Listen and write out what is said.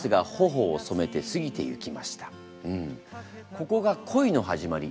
ここが恋の始まり